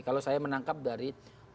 kalau saya menangkap dari